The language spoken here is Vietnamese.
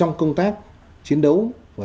đó chính là thời cơ